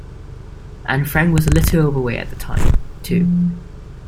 And Frank was a little overweight at the time, too.